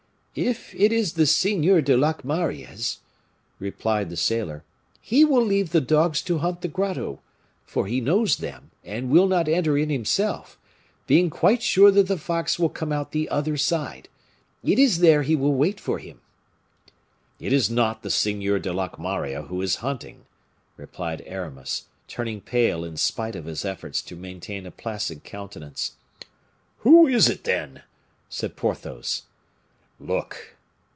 "If it is the Seigneur de Locmaria's," replied the sailor, "he will leave the dogs to hunt the grotto, for he knows them, and will not enter in himself, being quite sure that the fox will come out the other side; it is there he will wait for him." "It is not the Seigneur de Locmaria who is hunting," replied Aramis, turning pale in spite of his efforts to maintain a placid countenance. "Who is it, then?" said Porthos. "Look!"